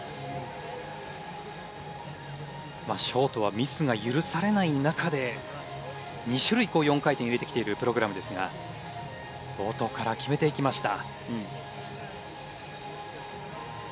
ショートはミスが許されない中で２種類４回転を入れてきてるプログラムですが冒頭から決めていきました。